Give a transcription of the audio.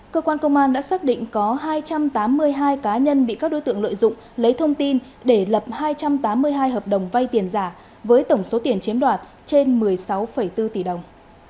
cơ quan công an đã xác định có hai trăm tám mươi hai cá nhân bị các đối tượng lợi dụng lấy thông tin để lập hai trăm tám mươi hai hợp đồng vay tiền giả với tổng số tiền chiếm đoạt trên một mươi sáu bốn tỷ đồng